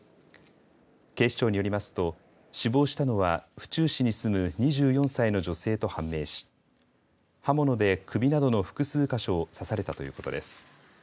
警視庁によりますと死亡したのは府中市に住む２４歳の女性と判明し刃物で首などの複数か所を刺されたということです。